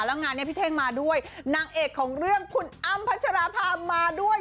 แล้วงานนี้พี่เท่งมาด้วยนางเอกของเรื่องคุณอ้ำพัชราภามาด้วย